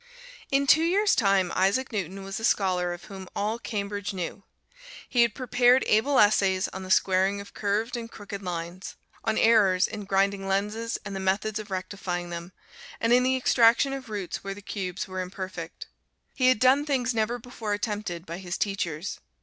In two years' time Isaac Newton was a scholar of whom all Cambridge knew. He had prepared able essays on the squaring of curved and crooked lines, on errors in grinding lenses and the methods of rectifying them, and in the extraction of roots where the cubes were imperfect: he had done things never before attempted by his teachers.